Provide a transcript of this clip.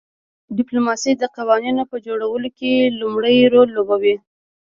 ډیپلوماسي د قوانینو په جوړولو کې لومړی رول لوبوي